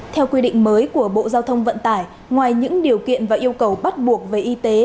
theo quy định mới của bộ giao thông vận tải ngoài những điều kiện và yêu cầu bắt buộc về y tế